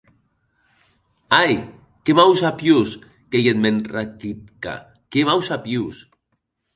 Ai, qué mausapiós ei eth mèn Rakitka, qué mausapiós!